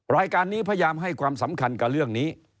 รายการนี้พยายามให้ความสำคัญกับเรื่องนี้